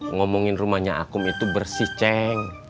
ngomongin rumahnya akum itu bersih ceng